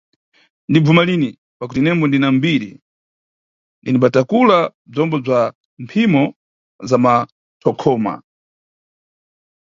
"ndinibvuma lini" pakuti inembo ndina mbiri, ndinimbatakula bzombo bza mphimo za mathokhoma.